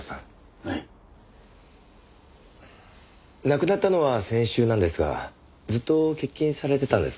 亡くなったのは先週なんですがずっと欠勤されてたんですか？